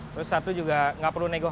terus satu juga nggak perlu nego